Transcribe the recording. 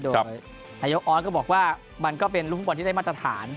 โดยนายกออสก็บอกว่ามันก็เป็นลูกฟุตบอลที่ได้มาตรฐาน